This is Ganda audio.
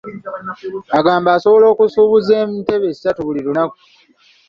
Agamba asobola okusuubuza entebe ssatu buli lunaku.